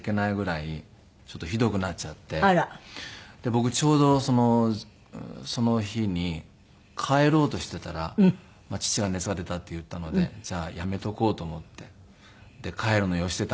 僕ちょうどその日に帰ろうとしていたら父が熱が出たって言ったのでじゃあやめとこうと思って帰るのよしていたんですけど。